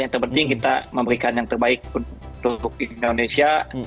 yang terpenting kita memberikan yang terbaik untuk indonesia